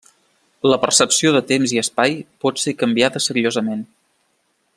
La percepció de temps i espai pot ser canviada seriosament.